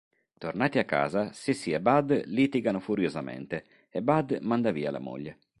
Tornati a casa Sissy e Bud litigano furiosamente e Bud manda via la moglie.